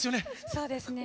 そうですね。